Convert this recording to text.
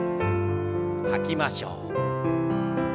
吐きましょう。